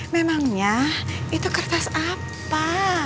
memangnya itu kertas apa